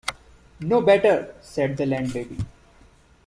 “No better,” said the landlady.